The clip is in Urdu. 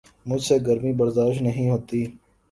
مجھ سے گرمی برداشت نہیں ہوتی